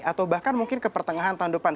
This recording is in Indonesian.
atau bahkan mungkin ke pertengahan tahun depan